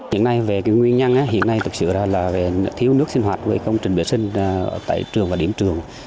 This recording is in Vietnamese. hiện nay về cái nguyên nhân hiện nay thực sự là về thiếu nước sinh hoạt về công trình vệ sinh tại trường và điểm trường